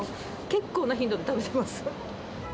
結構な頻度で食べてます。